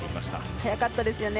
早かったですよね。